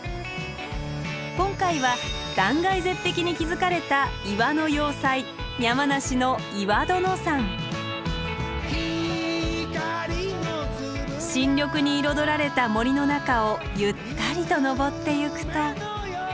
今回は断崖絶壁に築かれた岩の要塞山梨の新緑に彩られた森の中をゆったりと登ってゆくと。